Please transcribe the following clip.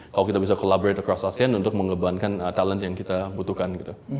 kalau kita bisa collaborate acrust asean untuk mengebankan talent yang kita butuhkan gitu